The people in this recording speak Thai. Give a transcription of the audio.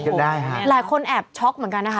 โอ้โหหลายคนแอบช็อกเหมือนกันนะคะ